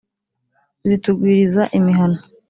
zitugwiririza imihana